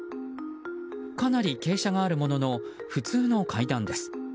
かなり傾斜があるものの普通の階段です。